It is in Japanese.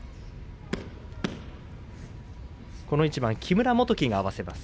この一番、木村元基が合わせます。